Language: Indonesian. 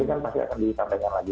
jadi kan pasti akan dikambahkan lagi